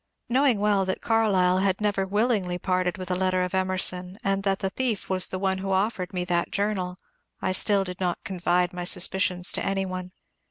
Knowing well that Carlyle had never willingly parted wiUi a letter of Emerson, and that the thief was the one who offered me that journal, I still did not confide my suspicions to any one.